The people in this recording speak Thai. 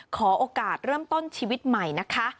ขอโอกาสเริ่มต้นชีวิตใหม่นะคะ